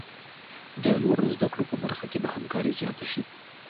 د لوړو زده کړو په برخه کې به همکاري زیاته شي.